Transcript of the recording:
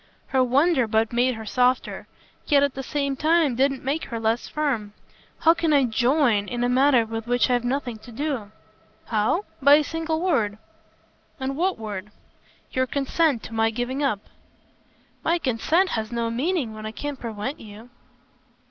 Her wonder but made her softer, yet at the same time didn't make her less firm. "How can I 'join' in a matter with which I've nothing to do?" "How? By a single word." "And what word?" "Your consent to my giving up." "My consent has no meaning when I can't prevent you."